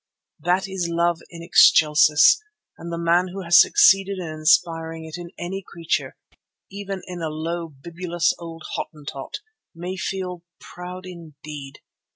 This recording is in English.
That is love in excelsis, and the man who has succeeded in inspiring it in any creature, even in a low, bibulous, old Hottentot, may feel proud indeed.